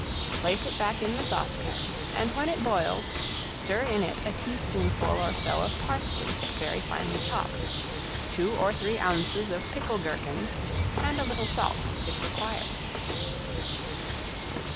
Place it back in the saucepan and when it boils stir in it a teaspoonful or so of parsley very finely chopped, two or three ounces of pickle gherkins, and a little salt if required.